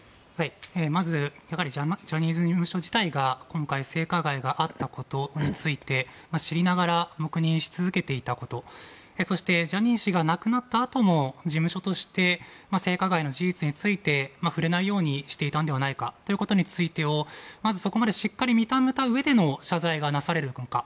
まずジャニーズ事務所自体が今回性加害があったことについて知りながら黙認し続けていたことそしてジャニー氏が亡くなったあとも事務所として性加害の事実について触れないようにしてたのではないかということについてをまず、そこまでしっかり認めたうえでの謝罪がなされるのか。